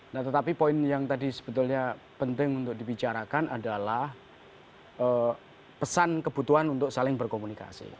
nah tetapi poin yang tadi sebetulnya penting untuk dibicarakan adalah pesan kebutuhan untuk saling berkomunikasi